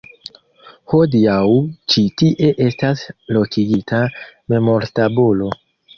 Hodiaŭ ĉi tie estas lokigita memortabulo.